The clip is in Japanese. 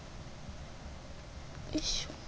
よいしょ。